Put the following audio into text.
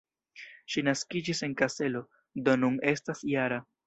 Ŝi naskiĝis en Kaselo, do nun estas -jara.